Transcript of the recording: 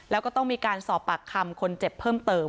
แล้วก็ต้องมีการสอบปากคำคนเจ็บเพิ่มเติม